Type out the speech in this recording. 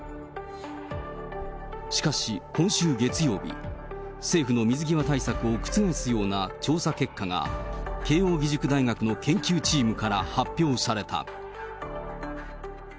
しかし、今週月曜日、政府の水際対策を覆すような調査結果が、慶應義塾大学の研究チームから発表された。